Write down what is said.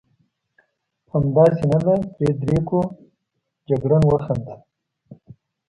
همداسې نه ده فرېدرېکو؟ جګړن وخندل.